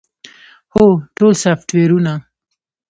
هو، ټول سافټویرونه